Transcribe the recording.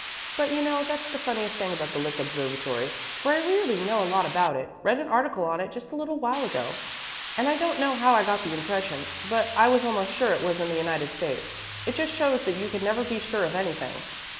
But, you know, that's the funniest thing about the Lick Observatory, for I really know a lot about it read an article on it just a little while ago; and I don't know how I got the impression, but I was almost sure it was in the United States. It just shows that you can never be sure of anything."